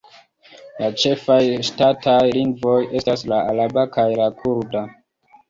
La ĉefaj ŝtataj lingvoj estas la araba kaj la kurda.